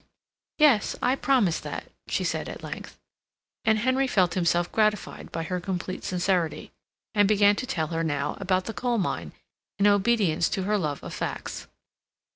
"Yes, I promise that," she said at length, and Henry felt himself gratified by her complete sincerity, and began to tell her now about the coal mine, in obedience to her love of facts.